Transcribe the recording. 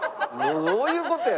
どういう事や！